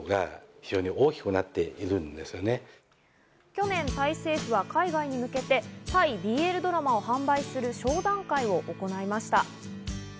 去年タイ政府は海外に向けて、タイのＢＬドラマを販売する商談会を行いました。